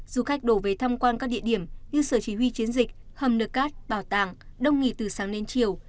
du khách đổ về thăm quan các địa điểm như sở chỉ huy chiến dịch hầm nợc cát bảo tàng đông nghỉ từ sáng đến chiều